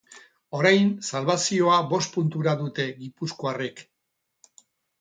Orain, salbazioa bost puntura dute gipuzkoarrek.